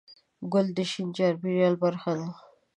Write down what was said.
ګل د شین چاپېریال برخه ده.